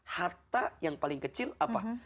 harta yang paling kecil apa